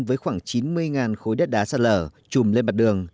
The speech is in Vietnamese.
với khoảng chín mươi khối đất đá sạt lở trùm lên mặt đường